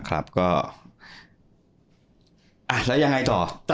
แล้วยังไงต่อ